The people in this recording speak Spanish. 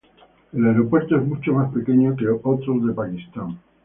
El aeropuerto es mucho más pequeño que otros de Pakistán.